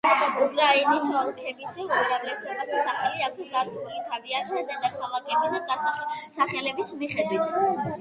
უკრაინის ოლქების უმრავლესობას სახელი აქვს დარქმეული თავიანთი დედაქალაქების სახელების მიხედვით.